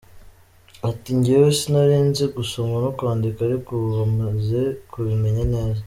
Ati: “ngewe sinari nzi gusoma no kwandika ariko ubu maze kubimenya neza.